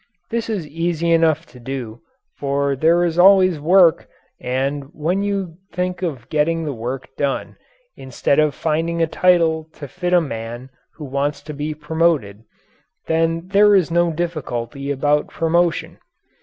This is easy enough to do, for there is always work, and when you think of getting the work done instead of finding a title to fit a man who wants to be promoted, then there is no difficulty about promotion.